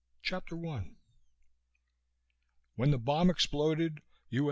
CHAPTER 1 When the bomb exploded, U.